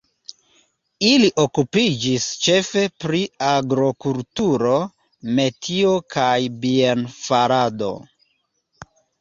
Ili okupiĝis ĉefe pri agrokulturo, metio kaj bier-farado.